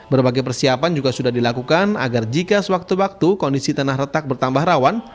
berbagai persiapan juga sudah dilakukan agar jika sewaktu waktu kondisi tanah retak bertambah rawan